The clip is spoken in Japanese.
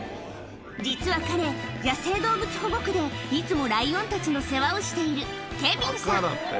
実は彼、野生動物保護区でいつもライオンたちの世話をしているケビンさん。